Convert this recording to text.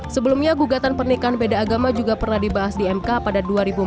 sebelumnya gugatan pernikahan beda agama juga pernah dibahas di mk pada dua ribu empat belas